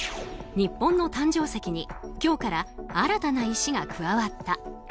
日本の誕生石に今日から新たな石が加わった。